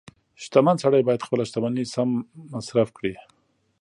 • شتمن سړی باید خپله شتمني سم مصرف کړي.